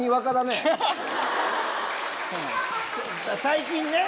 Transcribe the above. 最近ね。